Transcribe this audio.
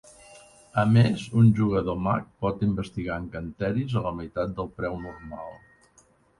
A més, un jugador mag pot investigar encanteris a la meitat del preu normal.